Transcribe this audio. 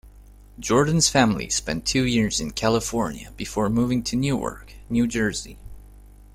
Jordan's family spent two years in California before moving to Newark, New Jersey.